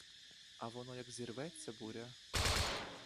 А воно як зірветься буря!